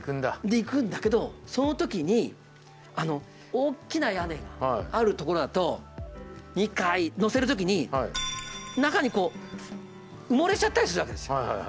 でいくんだけどその時に大きな屋根があるところだと２階のせる時に中に埋もれちゃったりするわけですよ。